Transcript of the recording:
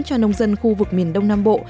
cho nông dân khu vực miền đông nam bộ